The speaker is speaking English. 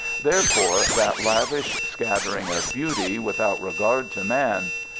Therefore that lavish scattering of beauty without regard to man.